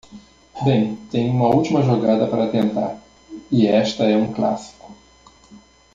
Bem, tenho uma última jogada para tentar, e esta é um clássico.